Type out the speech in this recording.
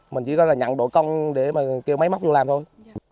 mình chỉ có là nhận đội công để mà kêu máy móc vô làm thôi